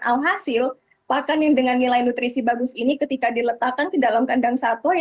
alhasil pakan yang dengan nilai nutrisi bagus ini ketika diletakkan ke dalam kandang sate